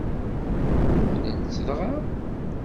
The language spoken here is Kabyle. Umnen-tt dɣa?